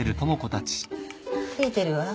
増えてるわ。